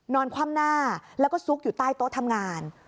คว่ำหน้าแล้วก็ซุกอยู่ใต้โต๊ะทำงาน